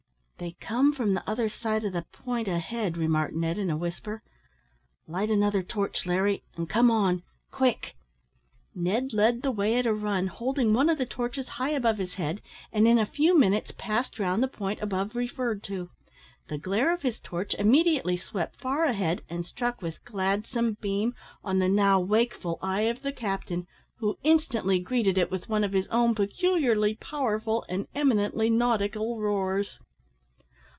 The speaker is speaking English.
"They come from the other side of the point ahead," remarked Ned, in a whisper. "Light another torch, Larry, and come on quick!" Ned led the way at a run, holding one of the torches high above his head, and in a few minutes passed round the point above referred to. The glare of his torch immediately swept far ahead, and struck with gladsome beam on the now wakeful eye of the captain, who instantly greeted it with one of his own peculiarly powerful and eminently nautical roars.